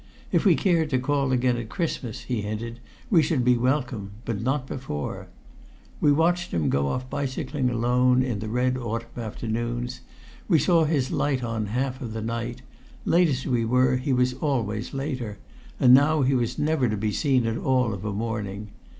If we cared to call again at Christmas, he hinted, we should be welcome, but not before. We watched him go off bicycling alone in the red autumn afternoons. We saw his light on half of the night; late as we were, he was always later; and now he was never to be seen at all of a morning.